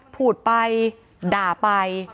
พูดไปด่าไป